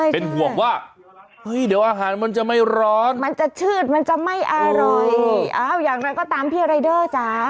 เป็นห่วงว่าเฮ้ยเดี๋ยวอาหารมันจะไม่ร้อนมันจะชืดมันจะไม่อร่อยอ้าวอย่างไรก็ตามพี่รายเดอร์จ๋า